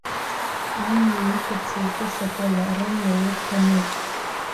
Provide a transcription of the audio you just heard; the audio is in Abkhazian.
Амҩа иқәуп шьоук шьапыла, рымҩа урҭ ануп.